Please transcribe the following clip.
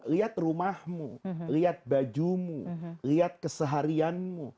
lihat rumahmu lihat bajumu lihat keseharianmu